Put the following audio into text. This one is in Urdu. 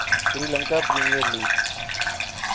سری لنکا پریمئرلیگ